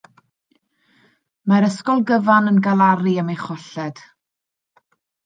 Mae'r ysgol gyfan yn galaru am ei cholled.